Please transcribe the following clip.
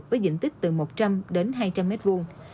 với diện tích từ một trăm linh đến hai trăm linh mét vuông